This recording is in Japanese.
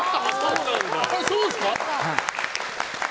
そうですか。